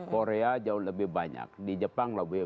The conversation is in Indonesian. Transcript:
korea jauh lebih banyak di jepang lebih